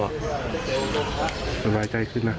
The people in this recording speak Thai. สบายใจขึ้นนะ